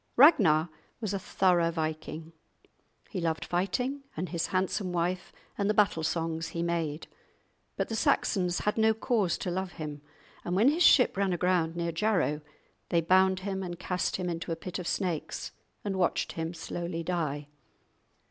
Ragnar was a thorough viking. He loved fighting, and his handsome wife, and the battle songs he made. But the Saxons had no cause to love him, and when his ship ran aground near Jarrow, they bound him and cast him into a pit of snakes, and watched him slowly die.